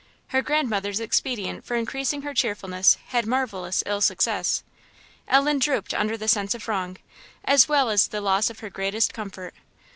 Her grandmother's expedient for increasing her cheerfulness had marvellous ill success. Ellen drooped under the sense of wrong, as well as the loss of her greatest comfort.